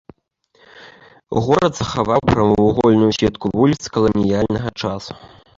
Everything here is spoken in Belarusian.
Горад захаваў прамавугольную сетку вуліц каланіяльнага часу.